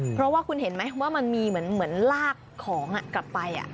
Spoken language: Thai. เพราะว่าคุณเห็นไหมว่ามันมีเหมือนลากของกลับไป